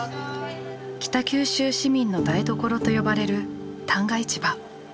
「北九州市民の台所」と呼ばれる旦過市場。